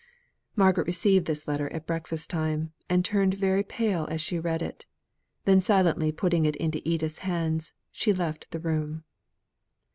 Margaret received this letter at breakfast time, and turned very pale as she read it; then, silently putting into Edith's hands, she left the room.